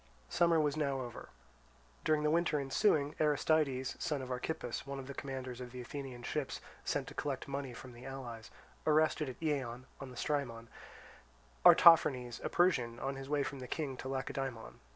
Summer was now over. During the winter ensuing, Aristides, son of Archippus, one of the commanders of the Athenian ships sent to collect money from the allies, arrested at Eion, on the Strymon, Artaphernes, a Persian, on his way from the King to Lacedaemon.